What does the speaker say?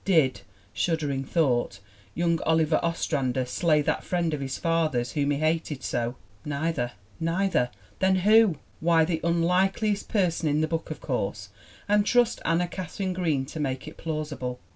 Did shuddering thought young Oliver Ostrander slay that friend of his father's whom he hated so? Neither ... neither! Then who? Why, the unlike liest person in the book, of course, and trust Anna Katharine Green to make it plausible